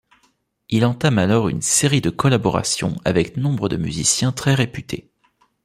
Il entame alors une série de collaborations avec nombre de musiciens très réputés.